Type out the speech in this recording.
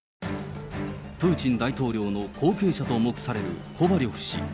プーチン大統領の後継者と目されるコバリョフ氏。